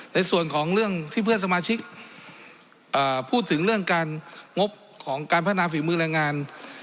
ในส่วนของเรื่องที่เพื่อนสมาชิกพูดถึงเรื่องการงบของการพัฒนาฝีมือแรงงาน